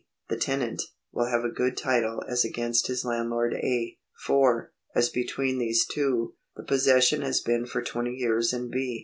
the tenant, will have a good title as against his landlord A., for, as between these two, the possession has been for twenty years in B.